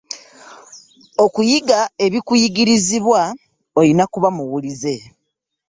Okuyiga ebikuyigirizibwa oyina kuba muwulize.